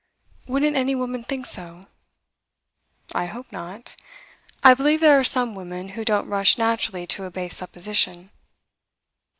'Wouldn't any woman think so?' 'I hope not. I believe there are some women who don't rush naturally to a base supposition.